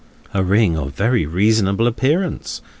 A ring of a very responsible appearance.